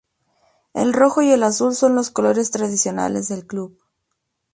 El rojo y el azul son los colores tradicionales del club.